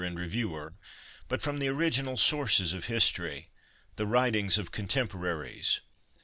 286 HOME EDUCATION reviewer, but from the original sources of history, the writings of contemporaries.